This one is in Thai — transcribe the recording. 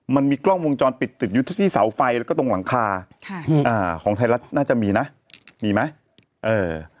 มันมีกล้องวงจรปิดติดอยู่ที่ที่เสาไฟแล้วก็ตรงหลังคาค่ะอืมอ่าของไทยรัฐน่าจะมีนะมีไหมเออ